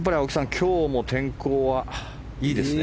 今日も天候はいいですね。